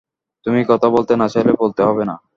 তুমি কথা বলতে না চাইলে বলতে হবে না।